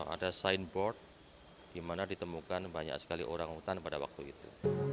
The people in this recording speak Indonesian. ada signboard di mana ditemukan banyak sekali orang hutan pada waktu itu